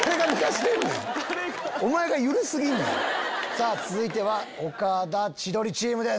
さぁ続いては岡田・千鳥チームです。